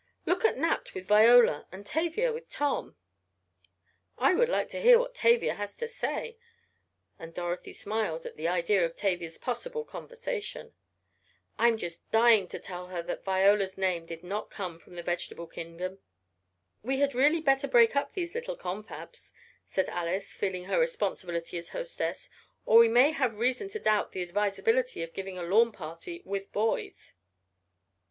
"Look at Nat with Viola and Tavia with Tom!" "I would like to hear what Tavia has to say," and Dorothy smiled at the idea of Tavia's possible conversation. "I'm just dying to tell her that Viola's name did not come from the vegetable kingdom." "We had really better break up these little confabs," said Alice, feeling her responsibility as hostess, "or we may have reason to doubt the advisability of giving a lawn party with boys."